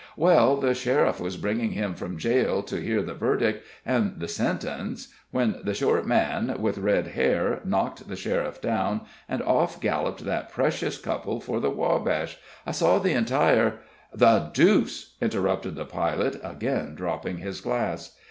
Well, the sheriff was bringing him from jail to hear the verdict and the sentence, when the short man, with red hair, knocked the sheriff down, and off galloped that precious couple for the Wabash. I saw the entire " "The deuce!" interrupted the pilot, again dropping his glass.